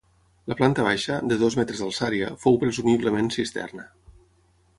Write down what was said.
La planta baixa, de dos metres d'alçària, fou presumiblement cisterna.